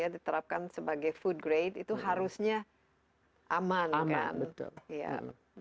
diterapkan sebagai food grade itu harusnya aman kan